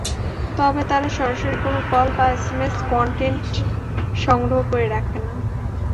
তবে তারা সরাসরি কোনো কল বা এসএমএস কনটেন্ট সংগ্রহ করে রাখে না।